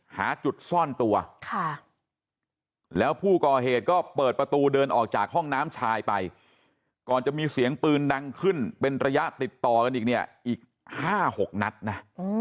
หาจุดซ่อนตัวแล้วผู้ก่อเหตุก็เปิดประตูเดินออกจากห้องน้ำชายไปก่อนจะมีเสียงปืนดังขึ้นเป็นระยะติดต่อกันอีกเนี่ยอีก๕๖นัดนะ